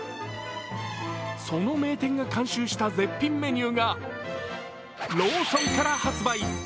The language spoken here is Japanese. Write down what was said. その名店が監修した絶品メニューがローソンから発売。